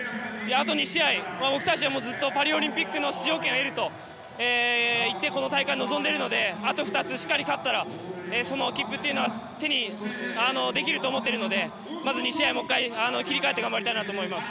あと２試合、僕たちはずっとパリオリンピックの出場権を得ると言ってこの大会に臨んでいるのであと２つしっかり勝ったらその切符は手にできると思っているのでまず２試合、切り替えて頑張りたいと思います。